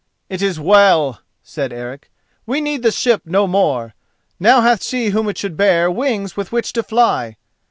"It is well," said Eric. "We need the ship no more; now hath she whom it should bear wings with which to fly."